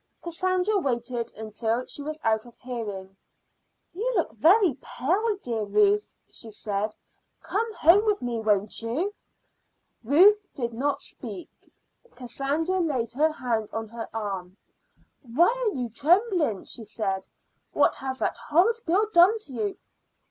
Cassandra waited until she was out of hearing. "You look very pale, dear Ruth," she said. "Come home with me, won't you?" Ruth did not speak. Cassandra laid her hand on her arm. "Why, you are trembling," she said. "What has that horrid girl done to you?"